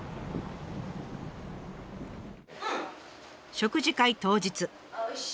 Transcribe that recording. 食事会当日。